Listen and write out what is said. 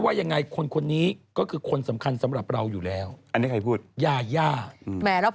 กังวงสื่อเลยค่ะเมื่อกี้